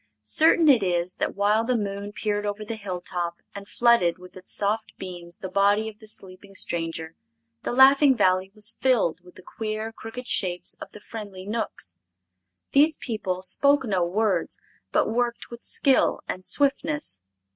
Certain it is that while the moon peered over the hilltop and flooded with its soft beams the body of the sleeping stranger, the Laughing Valley was filled with the queer, crooked shapes of the friendly Knooks. These people spoke no words, but worked with skill and swiftness.